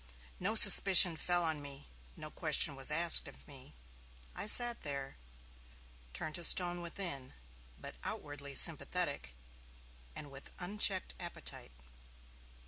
No suspicion fell on me; no question was asked of me. I sat there, turned to stone within, but outwardly sympathetic and with unchecked appetite.